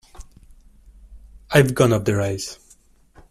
I've gone off the rails.